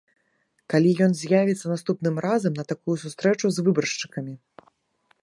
Калі ён з'явіцца наступным разам на такую сустрэчу з выбаршчыкамі.